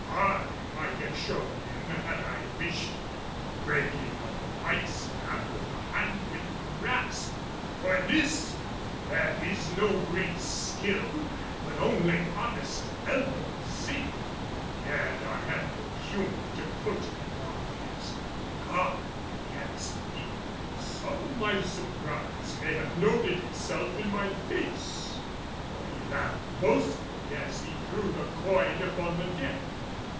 I might have shown him, had I wished, the breaking of a pike staff with a hand width grasp; for in this there is no great skill but only honest elbow sinew. Yet I had no humor to put him on his guard against me. Some of my surprise may have noted itself in my face, for he laughed boastfully as he threw the quoin upon the deck.